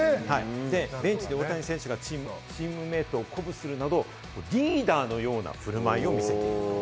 ベンチで大谷選手がチームメイトを鼓舞するなど、リーダーのような振る舞いを見せている。